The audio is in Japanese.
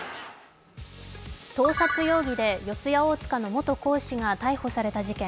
盗撮容疑で四谷大塚の元講師が逮捕された事件。